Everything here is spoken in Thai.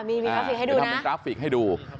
มีกราฟฟิกให้ดูนะ